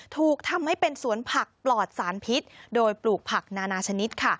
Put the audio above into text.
ถูกทำให้เป็นสวนผักปลอดสารพิษโดยปลูกผักนานาชนิดค่ะ